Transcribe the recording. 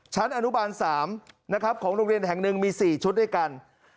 ชั้นอนุบาล๓ของโรงเรียนแห่ง๑มี๔ชุดด้วยกัน